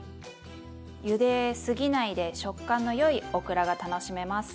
ゆですぎないで食感のよいオクラが楽しめます。